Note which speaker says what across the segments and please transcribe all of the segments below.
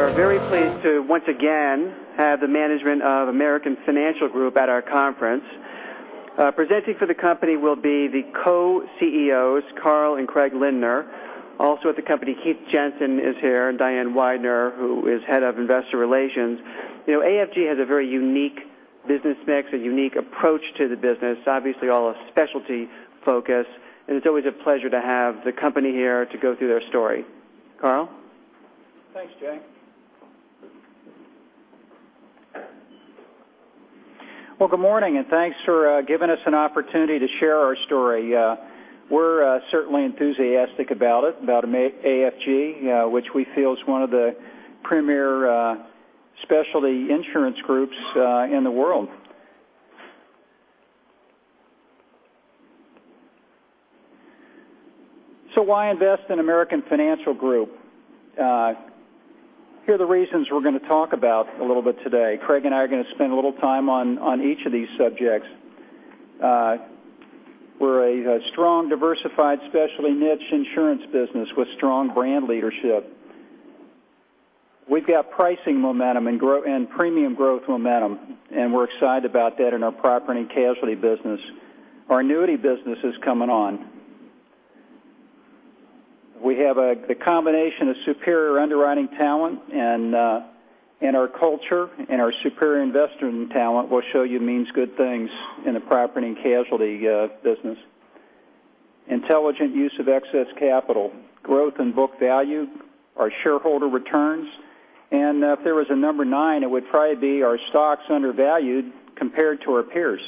Speaker 1: We are very pleased to, once again, have the management of American Financial Group at our conference. Presenting for the company will be the Co-CEOs, Carl and Craig Lindner. Also with the company, Keith Jensen is here, and Diane Weidner, who is head of investor relations. AFG has a very unique business mix, a unique approach to the business, obviously all a specialty focus, and it's always a pleasure to have the company here to go through their story. Carl?
Speaker 2: Thanks, Jay. Good morning, and thanks for giving us an opportunity to share our story. We're certainly enthusiastic about it, about AFG, which we feel is one of the premier specialty insurance groups in the world. Why invest in American Financial Group? Here are the reasons we're going to talk about a little bit today. Craig and I are going to spend a little time on each of these subjects. We're a strong, diversified, specialty niche insurance business with strong brand leadership. We've got pricing momentum and premium growth momentum, and we're excited about that in our property and casualty business. Our annuity business is coming on. We have the combination of superior underwriting talent, and our culture, and our superior investment talent will show you means good things in the property and casualty business. Intelligent use of excess capital, growth in book value, our shareholder returns, and if there was a number 9, it would probably be our stock's undervalued compared to our peers.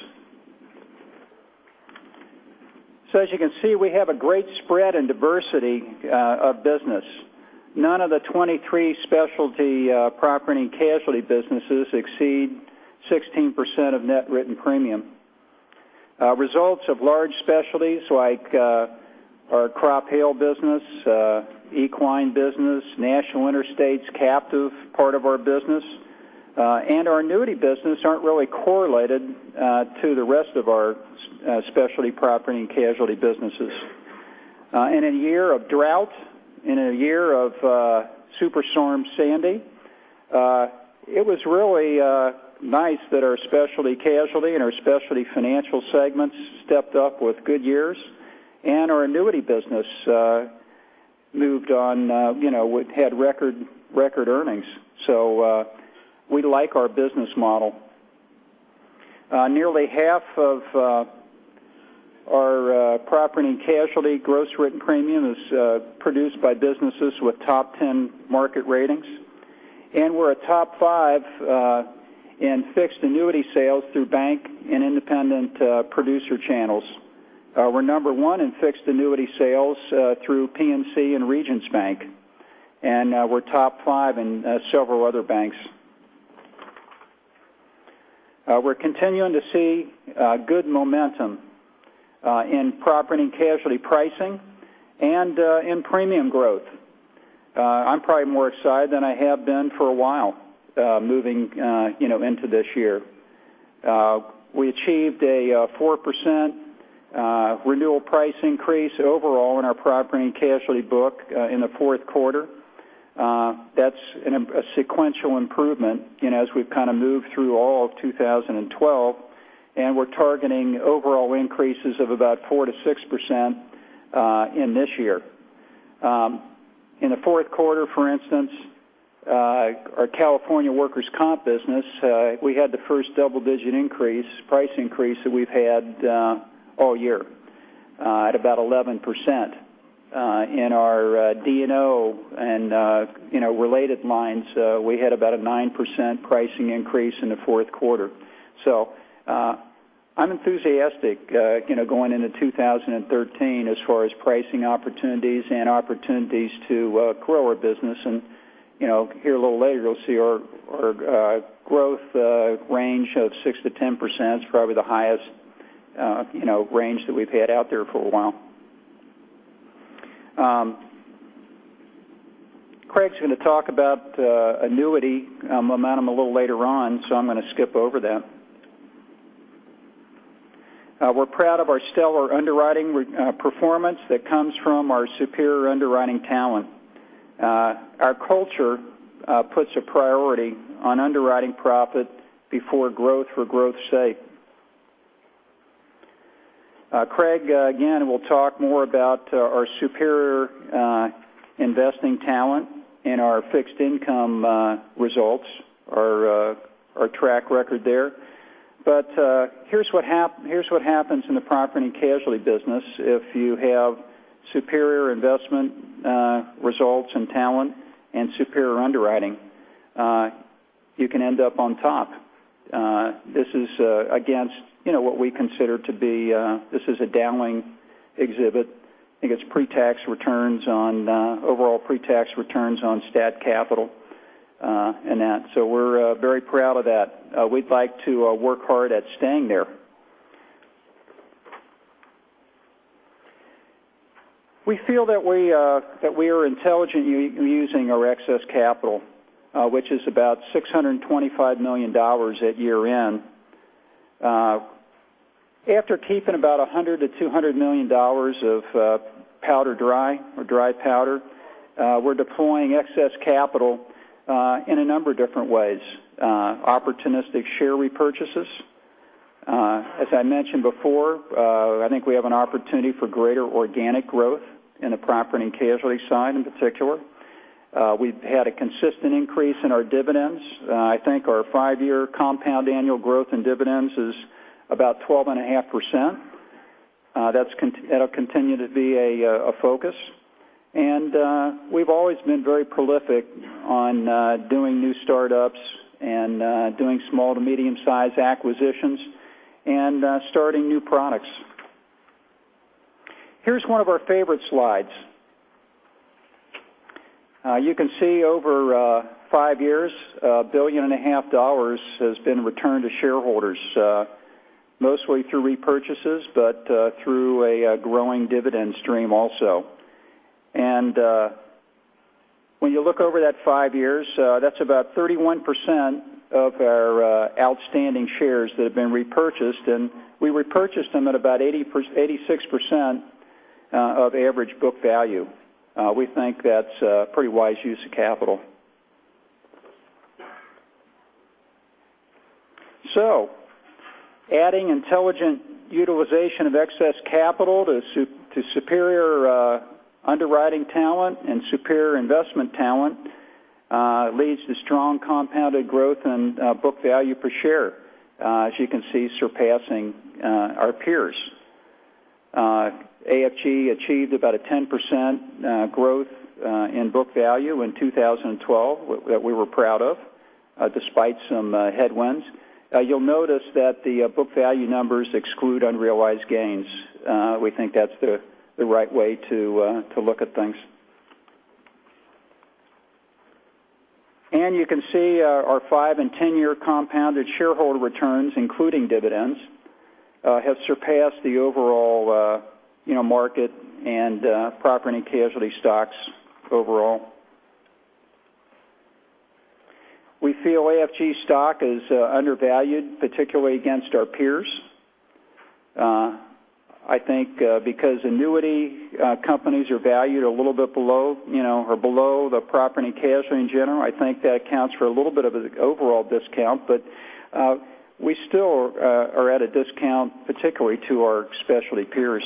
Speaker 2: As you can see, we have a great spread and diversity of business. None of the 23 Specialty Property and Casualty businesses exceed 16% of net written premium. Results of large specialties like our Crop Hail business, equine business, National Interstate's captive part of our business, and our annuity business aren't really correlated to the rest of our Specialty Property and Casualty businesses. In a year of drought, in a year of Superstorm Sandy, it was really nice that our Specialty Casualty and our Specialty Financial segments stepped up with good years, and our annuity business had record earnings. We like our business model. Nearly half of our property and casualty gross written premium is produced by businesses with top 10 market ratings, and we're a top 5 in fixed annuity sales through bank and independent producer channels. We're number 1 in fixed annuity sales through PNC and Regions Bank, and we're top 5 in several other banks. We're continuing to see good momentum in property and casualty pricing and in premium growth. I'm probably more excited than I have been for a while moving into this year. We achieved a 4% renewal price increase overall in our property and casualty book in the fourth quarter. That's a sequential improvement as we've kind of moved through all of 2012, and we're targeting overall increases of about 4%-6% in this year. In the fourth quarter, for instance, our California workers' comp business, we had the first double-digit price increase that we've had all year at about 11%. In our D&O and related lines, we had about a 9% pricing increase in the fourth quarter. I'm enthusiastic going into 2013 as far as pricing opportunities and opportunities to grow our business. Here a little later you'll see our growth range of 6%-10% is probably the highest range that we've had out there for a while. Craig's going to talk about annuity momentum a little later on, so I'm going to skip over that. We're proud of our stellar underwriting performance that comes from our superior underwriting talent. Our culture puts a priority on underwriting profit before growth for growth's sake. Craig, again, will talk more about our superior investing talent and our fixed income results, our track record there. Here's what happens in the property and casualty business if you have superior investment results and talent and superior underwriting. You can end up on top. This is against what we consider to be a Dowling exhibit. I think it's overall pre-tax returns on stat capital and that. We're very proud of that. We'd like to work hard at staying there. We feel that we are intelligently using our excess capital, which is about $625 million at year-end. After keeping about $100 million-$200 million of powder dry or dry powder, we're deploying excess capital in a number of different ways. Opportunistic share repurchases. As I mentioned before, I think we have an opportunity for greater organic growth in the property and casualty side, in particular. We've had a consistent increase in our dividends. I think our five-year compound annual growth in dividends is about 12.5%. That'll continue to be a focus. We've always been very prolific on doing new startups, and doing small to medium-sized acquisitions, and starting new products. Here's one of our favorite slides. You can see over five years, $1.5 billion has been returned to shareholders mostly through repurchases, but through a growing dividend stream also. When you look over that five years, that's about 31% of our outstanding shares that have been repurchased, and we repurchased them at about 86% of average book value. We think that's a pretty wise use of capital. Adding intelligent utilization of excess capital to superior underwriting talent and superior investment talent leads to strong compounded growth and book value per share, as you can see, surpassing our peers. AFG achieved about a 10% growth in book value in 2012, that we were proud of despite some headwinds. You'll notice that the book value numbers exclude unrealized gains. We think that's the right way to look at things. You can see our five and 10-year compounded shareholder returns, including dividends, have surpassed the overall market and property and casualty stocks overall. We feel AFG stock is undervalued, particularly against our peers. I think because annuity companies are valued a little bit below the property and casualty in general, I think that accounts for a little bit of an overall discount. We still are at a discount, particularly to our specialty peers.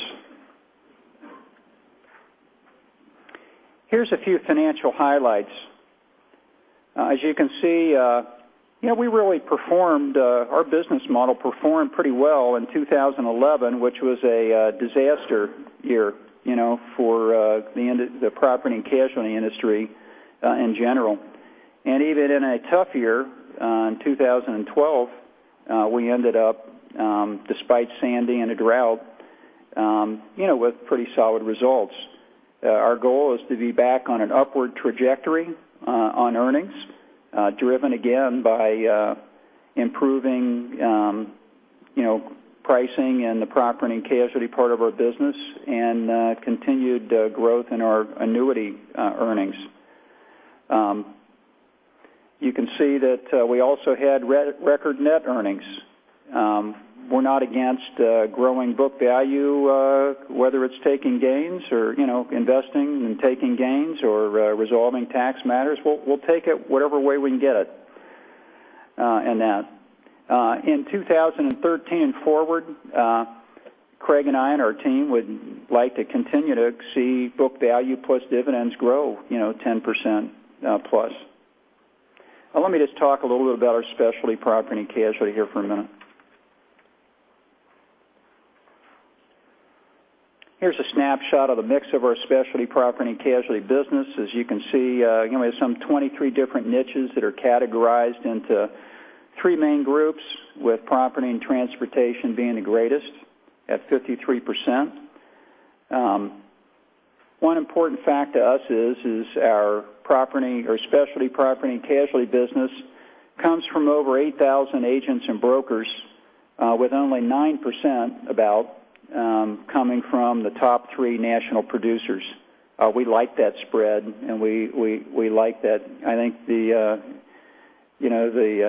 Speaker 2: Here's a few financial highlights. As you can see, our business model performed pretty well in 2011, which was a disaster year for the property and casualty industry in general. Even in a tough year, in 2012, we ended up, despite Sandy and a drought, with pretty solid results. Our goal is to be back on an upward trajectory on earnings driven again by improving pricing in the property and casualty part of our business and continued growth in our annuity earnings. You can see that we also had record net earnings. We're not against growing book value, whether it's investing and taking gains or resolving tax matters. We'll take it whatever way we can get it in that. In 2013 forward, Craig and I and our team would like to continue to see book value plus dividends grow 10% plus. Let me just talk a little bit about our specialty property and casualty here for a minute. Here's a snapshot of the mix of our specialty property and casualty business. You can see, we have some 23 different niches that are categorized into 3 main groups, with property and transportation being the greatest at 53%. One important fact to us is our specialty property and casualty business comes from over 8,000 agents and brokers with only 9%, about, coming from the top 3 national producers. We like that spread, and we like that. I think the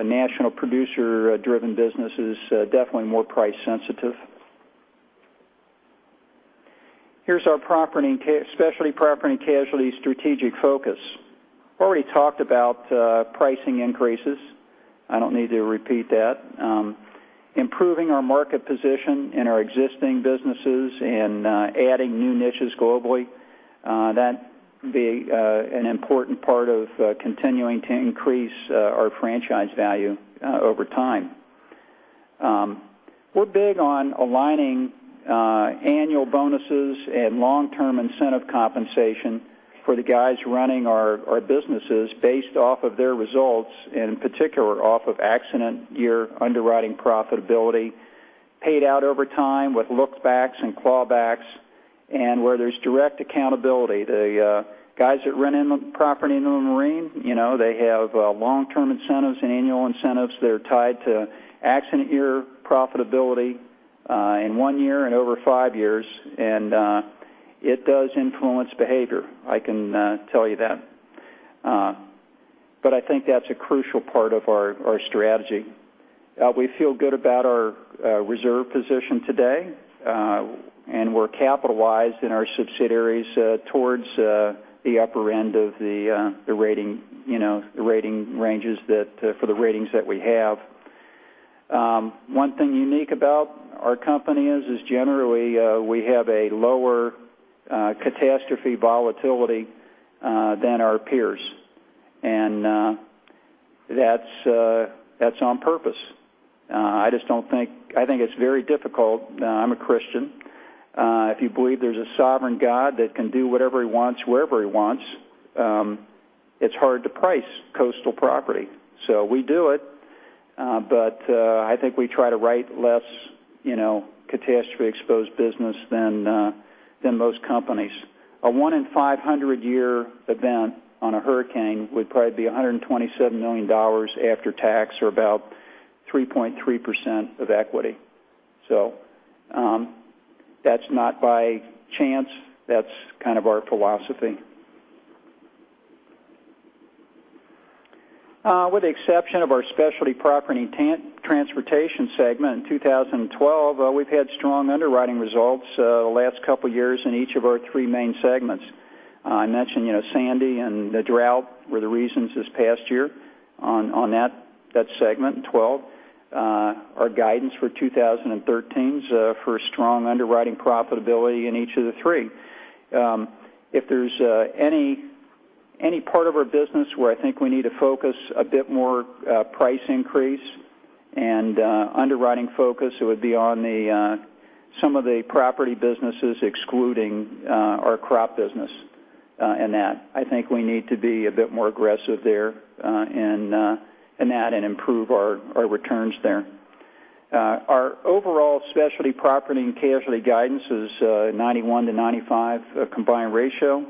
Speaker 2: national producer-driven business is definitely more price sensitive. Here's our specialty property and casualty strategic focus. Already talked about pricing increases. I don't need to repeat that. Improving our market position in our existing businesses and adding new niches globally, that will be an important part of continuing to increase our franchise value over time. We're big on aligning annual bonuses and long-term incentive compensation for the guys running our businesses based off of their results, and in particular, off of accident year underwriting profitability, paid out over time with look-backs and clawbacks and where there's direct accountability. The guys that run property and marine, they have long-term incentives and annual incentives that are tied to accident year profitability in 1 year and over 5 years, and it does influence behavior, I can tell you that. I think that's a crucial part of our strategy. We feel good about our reserve position today, and we're capitalized in our subsidiaries towards the upper end of the rating ranges for the ratings that we have. One thing unique about our company is generally, we have a lower catastrophe volatility than our peers, and that's on purpose. I think it's very difficult. I'm a Christian. If you believe there's a sovereign God that can do whatever he wants, wherever he wants, it's hard to price coastal property. We do it, but I think we try to write less catastrophe-exposed business than most companies. A 1 in 500-year event on a hurricane would probably be $127 million after tax, or about 3.3% of equity. That's not by chance. That's kind of our philosophy. With the exception of our specialty property and transportation segment in 2012, we've had strong underwriting results the last couple of years in each of our 3 main segments. I mentioned Sandy and the drought were the reasons this past year on that segment in 2012. Our guidance for 2013 is for a strong underwriting profitability in each of the 3. If there's any part of our business where I think we need to focus a bit more price increase and underwriting focus, it would be on some of the property businesses, excluding our crop business in that. I think we need to be a bit more aggressive there in that and improve our returns there. Our overall specialty property and casualty guidance is 91%-95% combined ratio.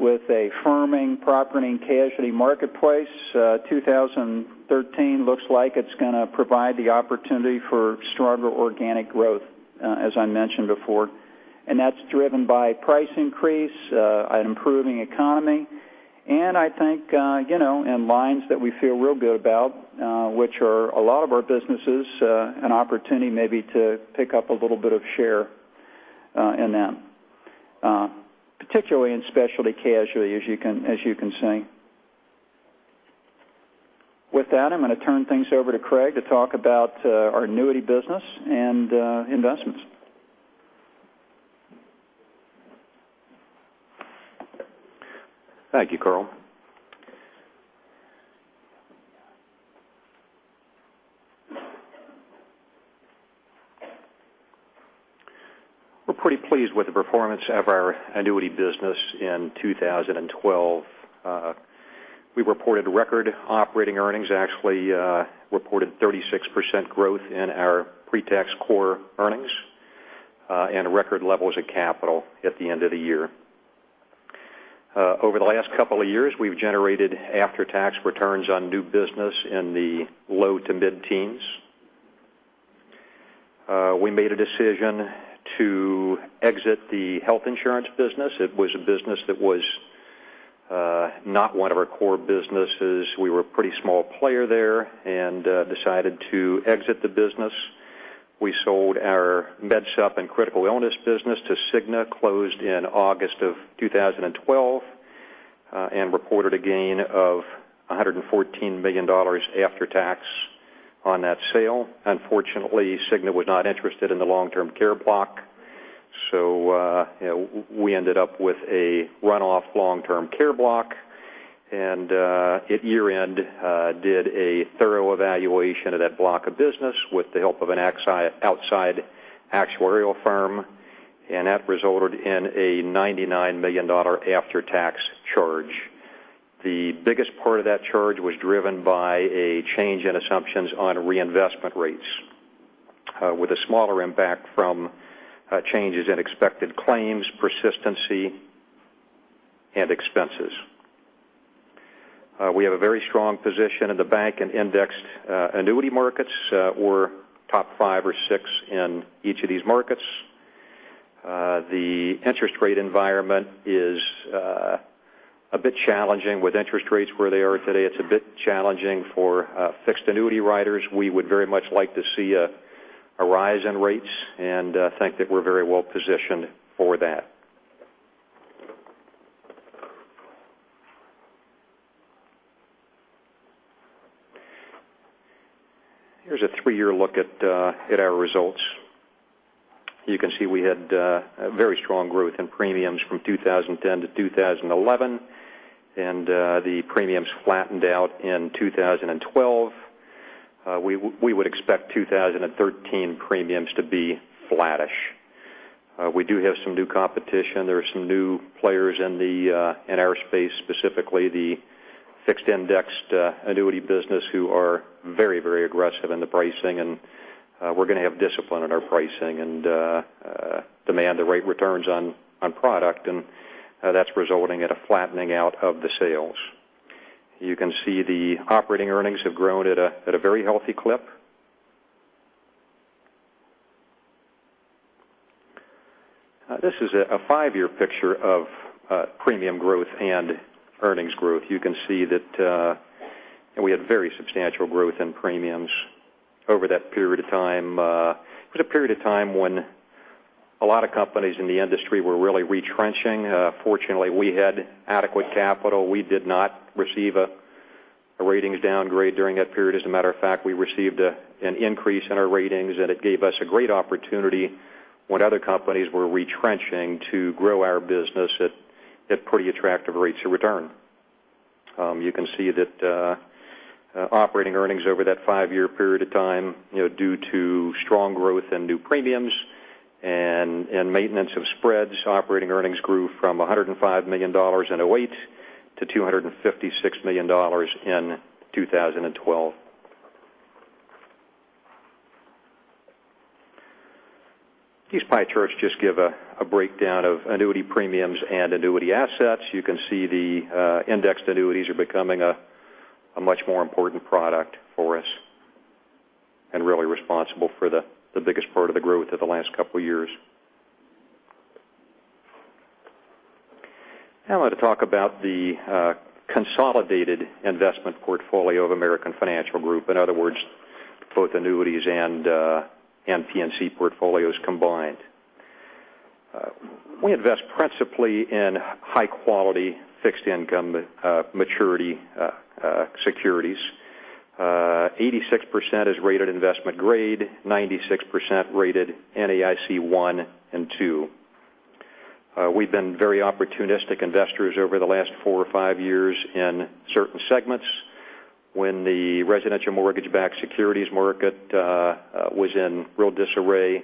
Speaker 2: With a firming property and casualty marketplace, 2013 looks like it's going to provide the opportunity for stronger organic growth, as I mentioned before. That's driven by price increase, an improving economy, and I think in lines that we feel real good about, which are a lot of our businesses, an opportunity maybe to pick up a little bit of share in them, particularly in specialty casualty, as you can see. With that, I'm going to turn things over to Craig to talk about our annuity business and investments.
Speaker 3: Thank you, Carl. We're pretty pleased with the performance of our annuity business in 2012. We reported record operating earnings, actually reported 36% growth in our pre-tax core earnings, and record levels of capital at the end of the year. Over the last couple of years, we've generated after-tax returns on new business in the low to mid-teens. We made a decision to exit the health insurance business. It was a business that was not one of our core businesses. We were a pretty small player there and decided to exit the business. We sold our Med supp and critical illness business to Cigna, closed in August of 2012, and reported a gain of $114 million after tax on that sale. Unfortunately, Cigna was not interested in the long-term care block. We ended up with a runoff long-term care block. At year-end, did a thorough evaluation of that block of business with the help of an outside actuarial firm, and that resulted in a $99 million after-tax charge. The biggest part of that charge was driven by a change in assumptions on reinvestment rates, with a smaller impact from changes in expected claims, persistency, and expenses. We have a very strong position in the bank and indexed annuity markets. We're top five or six in each of these markets. The interest rate environment is a bit challenging. With interest rates where they are today, it's a bit challenging for fixed annuity writers. We would very much like to see a rise in rates and think that we're very well positioned for that. Here's a three-year look at our results. You can see we had very strong growth in premiums from 2010 to 2011. The premiums flattened out in 2012. We would expect 2013 premiums to be flattish. We do have some new competition. There are some new players in our space, specifically the Fixed Indexed Annuity business, who are very aggressive in the pricing. We're going to have discipline in our pricing and demand the right returns on product, and that's resulting in a flattening out of the sales. You can see the operating earnings have grown at a very healthy clip. This is a five-year picture of premium growth and earnings growth. You can see that we had very substantial growth in premiums over that period of time. It was a period of time when a lot of companies in the industry were really retrenching. Fortunately, we had adequate capital. We did not receive a ratings downgrade during that period. As a matter of fact, we received an increase in our ratings. It gave us a great opportunity when other companies were retrenching to grow our business at pretty attractive rates of return. You can see that operating earnings over that five-year period of time, due to strong growth in new premiums and maintenance of spreads, operating earnings grew from $105 million in 2008 to $256 million in 2012. These pie charts just give a breakdown of annuity premiums and annuity assets. You can see the Indexed Annuities are becoming a much more important product for us and really responsible for the biggest part of the growth over the last couple of years. Now I want to talk about the consolidated investment portfolio of American Financial Group. In other words, both annuities and PNC portfolios combined. We invest principally in high-quality fixed income maturity securities. 86% is rated investment grade, 96% rated NAIC 1 and 2. We've been very opportunistic investors over the last four or five years in certain segments. When the residential mortgage-backed securities market was in real disarray,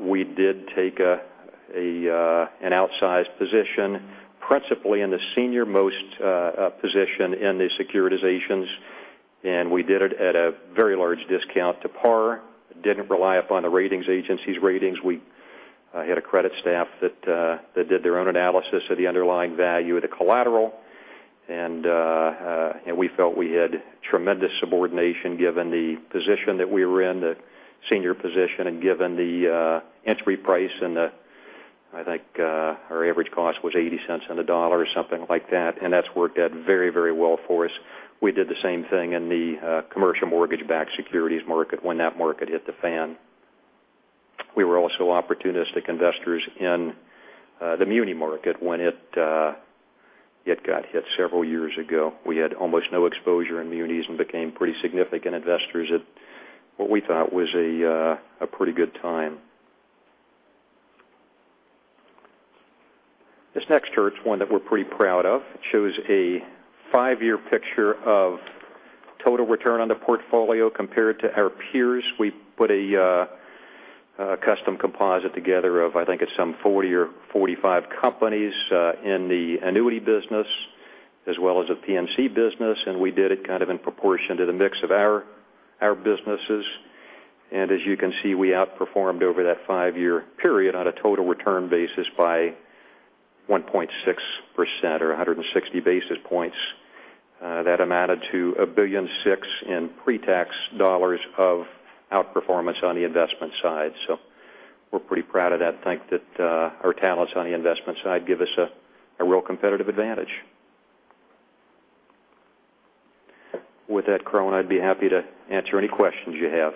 Speaker 3: we did take an outsized position, principally in the senior-most position in the securitizations. We did it at a very large discount to par. Didn't rely upon the ratings agencies ratings. We had a credit staff that did their own analysis of the underlying value of the collateral. We felt we had tremendous subordination given the position that we were in, the senior position, and given the entry price, and I think our average cost was $0.80 on the dollar or something like that. That's worked out very well for us. We did the same thing in the commercial mortgage-backed securities market when that market hit the fan. We were also opportunistic investors in the muni market when it got hit several years ago. We had almost no exposure in munis and became pretty significant investors at what we thought was a pretty good time. This next chart is one that we're pretty proud of. It shows a five-year picture of total return on the portfolio compared to our peers. We put a custom composite together of, I think it's some 40 or 45 companies in the annuity business as well as the PNC business. We did it kind of in proportion to the mix of our businesses. As you can see, we outperformed over that five-year period on a total return basis by 1.6% or 160 basis points. That amounted to a $1.6 billion in pre-tax dollars of outperformance on the investment side. We're pretty proud of that. I think that our talents on the investment side give us a real competitive advantage. With that, Carl and I be happy to answer any questions you have.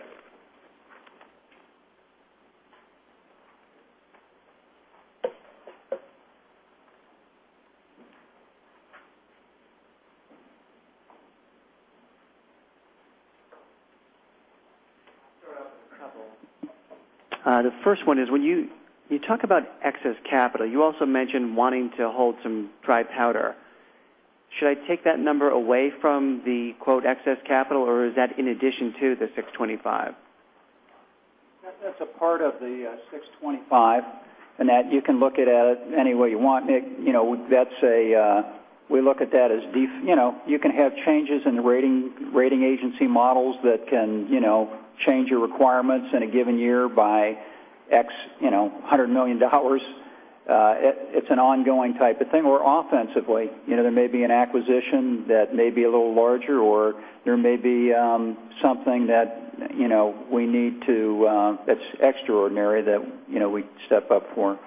Speaker 1: I'll start out with a couple. The first one is, when you talk about excess capital, you also mention wanting to hold some dry powder. Should I take that number away from the, quote, "excess capital," or is that in addition to the $625?
Speaker 2: That's a part of the $625, that you can look at it any way you want, Nick. You can have changes in the rating agency models that can change your requirements in a given year by x, $100 million. It's an ongoing type of thing where offensively, there may be an acquisition that may be a little larger or there may be something that's extraordinary that we step up for.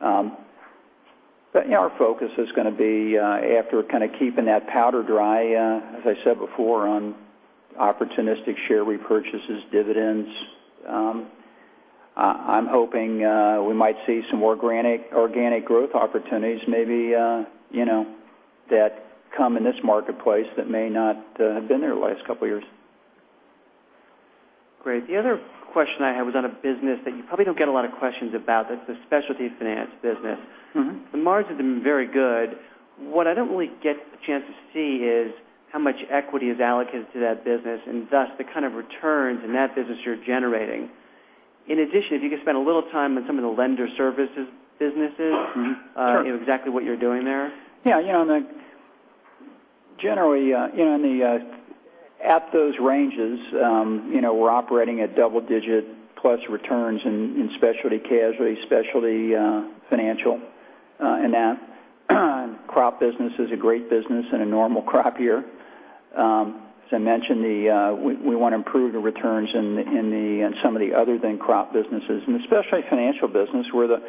Speaker 2: Our focus is going to be, after kind of keeping that powder dry, as I said before, on opportunistic share repurchases, dividends. I'm hoping we might see some more organic growth opportunities maybe that come in this marketplace that may not have been there the last couple of years.
Speaker 1: Great. The other question I had was on a business that you probably don't get a lot of questions about. That's the specialty finance business. The margins have been very good. What I don't really get a chance to see is how much equity is allocated to that business and thus the kind of returns in that business you're generating. In addition, if you could spend a little time on some of the lender services businesses.
Speaker 2: Sure.
Speaker 1: Exactly what you're doing there.
Speaker 2: Yeah. Generally, at those ranges, we're operating at double-digit plus returns in specialty casualty, specialty financial in that. Crop business is a great business in a normal crop year. As I mentioned, we want to improve the returns in some of the other than crop businesses, and specialty financial business. We're the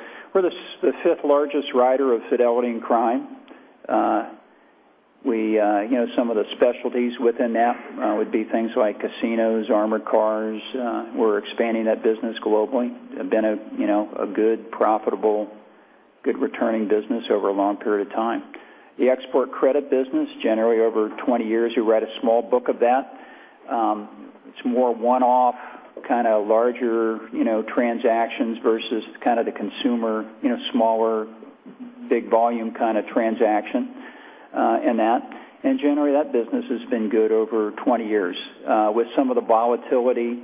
Speaker 2: fifth largest writer of Fidelity and Crime. Some of the specialties within that would be things like casinos, armored cars. We're expanding that business globally. Been a good, profitable, good returning business over a long period of time. The Export Credit business, generally over 20 years, you write a small book of that. It's more one-off, kind of larger transactions versus kind of the consumer, smaller, big volume kind of transaction in that. Generally, that business has been good over 20 years. With some of the volatility,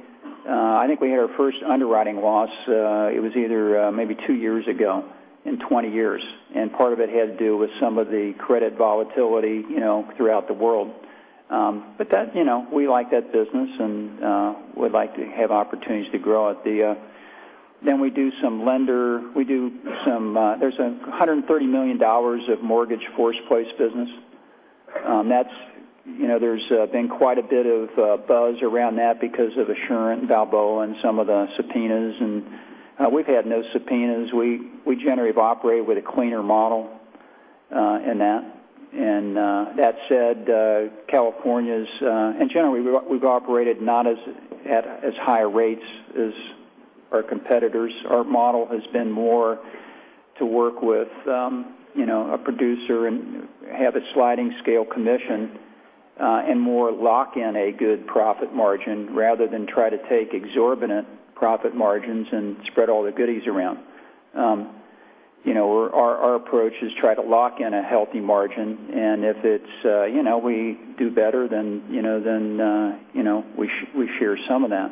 Speaker 2: I think we had our first underwriting loss, it was either maybe two years ago in 20 years. Part of it had to do with some of the credit volatility throughout the world. We like that business, and would like to have opportunities to grow it. We do some lender. There's $130 million of mortgage force-placed business. There's been quite a bit of buzz around that because of Assurant and Balboa and some of the subpoenas, and we've had no subpoenas. We generally have operated with a cleaner model in that. That said, California's, and generally, we've operated not at as high rates as our competitors. Our model has been more to work with a producer and have a sliding scale commission, and more lock in a good profit margin rather than try to take exorbitant profit margins and spread all the goodies around. Our approach is try to lock in a healthy margin, and if we do better, then we share some of that.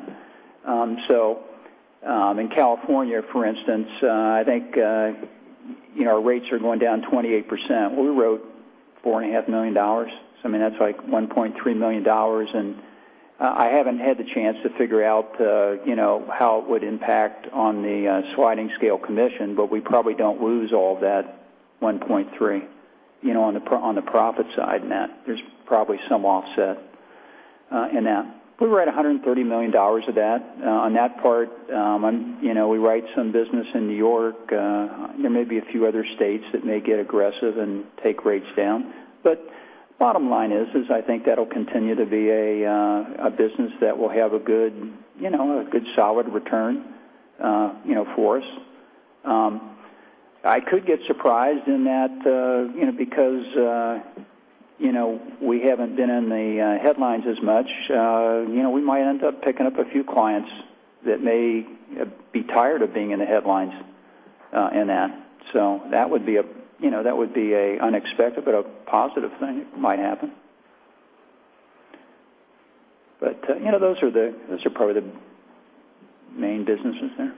Speaker 2: In California, for instance, I think our rates are going down 28%. We wrote $4.5 million. That's like $1.3 million, and I haven't had the chance to figure out how it would impact on the sliding scale commission, but we probably don't lose all that $1.3 on the profit side in that. There's probably some offset in that. We write $130 million of that. On that part, we write some business in New York. There may be a few other states that may get aggressive and take rates down. Bottom line is, I think that'll continue to be a business that will have a good solid return for us. I could get surprised in that because we haven't been in the headlines as much. We might end up picking up a few clients that may be tired of being in the headlines in that. That would be a unexpected, but a positive thing might happen. Those are probably the main businesses there.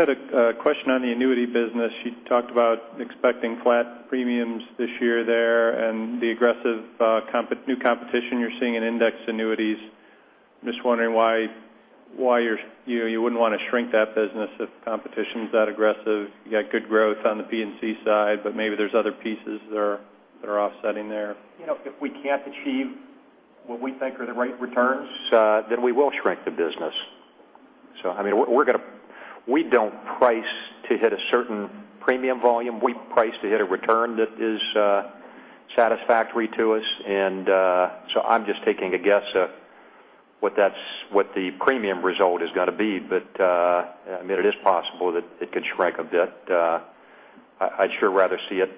Speaker 4: Had a question on the annuity business. You talked about expecting flat premiums this year there, and the aggressive new competition you're seeing in Indexed Annuities. I'm just wondering why you wouldn't want to shrink that business if competition's that aggressive. You got good growth on the P&C side, but maybe there's other pieces that are offsetting there.
Speaker 3: If we can't achieve what we think are the right returns, we will shrink the business. We don't price to hit a certain premium volume. We price to hit a return that is satisfactory to us. I'm just taking a guess at what the premium result is going to be. It is possible that it could shrink a bit. I'd sure rather see it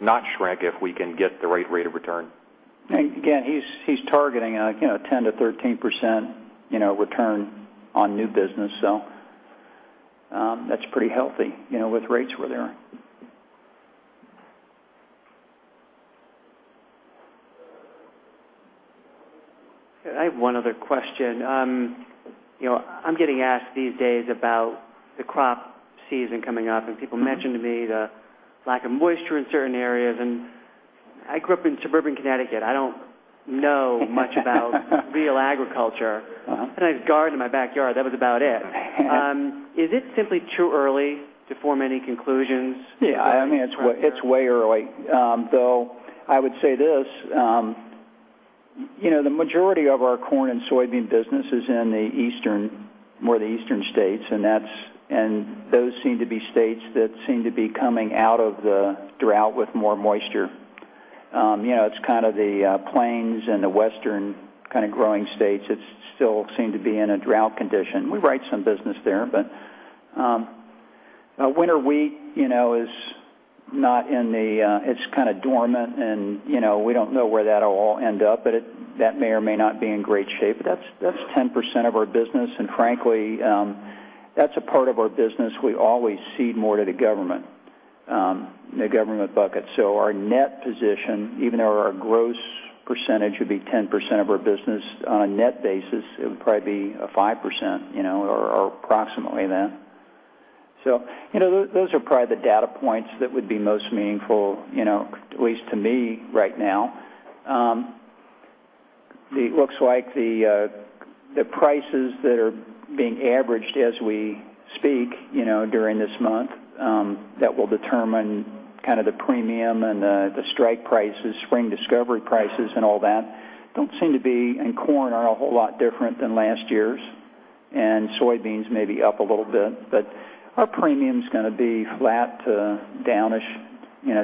Speaker 3: not shrink if we can get the right rate of return.
Speaker 2: Again, he's targeting a 10%-13% return on new business, that's pretty healthy with rates were there.
Speaker 1: I have one other question. I'm getting asked these days about the crop season coming up, people mention to me the lack of moisture in certain areas, I grew up in suburban Connecticut. I don't know much about real agriculture. I had a garden in my backyard. That was about it. Is it simply too early to form any conclusions?
Speaker 2: Yeah. It's way early. I would say this. The majority of our corn and soybean business is in the eastern, more the eastern states, and those seem to be states that seem to be coming out of the drought with more moisture. It's kind of the plains and the western kind of growing states that still seem to be in a drought condition. We write some business there. Winter wheat is kind of dormant, and we don't know where that'll all end up. That may or may not be in great shape. That's 10% of our business, and frankly, that's a part of our business we always cede more to the government bucket. Our net position, even though our gross percentage would be 10% of our business on a net basis, it would probably be a 5% or approximately that. Those are probably the data points that would be most meaningful at least to me right now. It looks like the prices that are being averaged as we speak during this month that will determine kind of the premium and the strike prices, spring discovery prices and all that, don't seem to be in corn are a whole lot different than last year's, and soybeans may be up a little bit. Our premium's going to be flat to downish,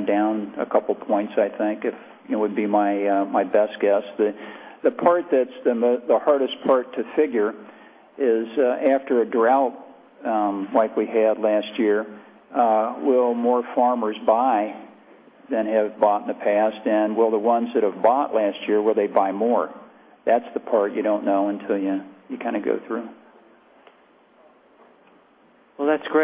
Speaker 2: down a couple points, I think, would be my best guess. The hardest part to figure is after a drought like we had last year, will more farmers buy than have bought in the past? Will the ones that have bought last year, will they buy more? That's the part you don't know until you kind of go through.
Speaker 1: That's great.